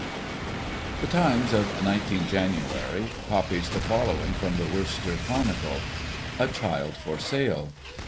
The Times of 19 Jan. copies the following from the Worcester Chronicle: "A CHILD FOR SALE.